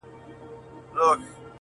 کله زيات او کله کم درپسې ژاړم_